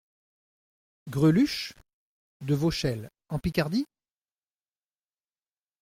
Greluche ? de Vauchelles… en Picardie ?